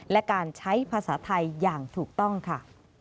และการใช้ภาษาไทยอย่างถูกต้องค่ะ